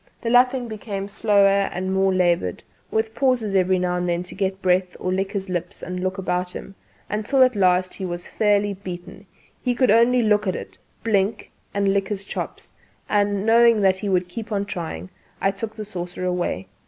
The lapping became slower and more laboured, with pauses every now and then to get breath or lick his lips and look about him, until at last he was fairly beaten: he could only look at it, blink and lick his chops; and, knowing that he would keep on trying, I took the saucer away.